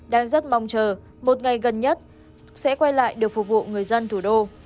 đang rất mong chờ một ngày gần nhất sẽ quay lại được phục vụ người dân thủ đô